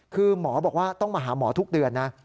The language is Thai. คือหมอบอกว่าต้องมาหาหมอทุกเดือนนะ